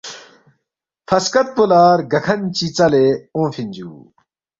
فہ سکت پو لا رگاکھن چی ژالے اونگفن جوو